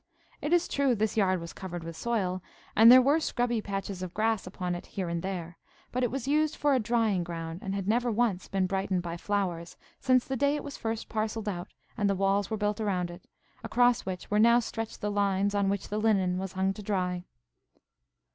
It is true this yard was covered with soil, and there were scrubby patches of grass upon it here and there; but it was used for a drying ground, and had never once been brightened by flowers since the day it was first parcelled out and the walls were built round it, across which were now stretched the lines on which the linen was hung to dry.